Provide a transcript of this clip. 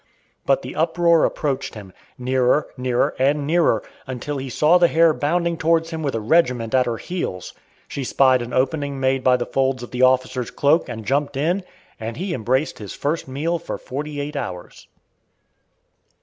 But the uproar approached him nearer, nearer, and nearer, until he saw the hare bounding towards him with a regiment at her heels. She spied an opening made by the folds of the officer's cloak and jumped in, and he embraced his first meal for forty eight hours.